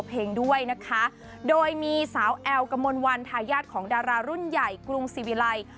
เพลงด้วยนะคะโดยมีสาวแอลกมลวันทายาทของดารารุ่นใหญ่กรุงศิวิลัย